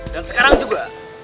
dan sekarang juga